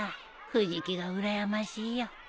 藤木がうらやましいよ。